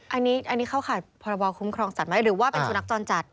อันนี้เขาขาดภาระวัลคุมครองสัตว์ไหมหรือว่าเป็นสูนักจรรย์จัด